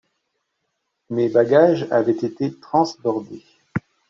Mes bagages avaient été transbordés.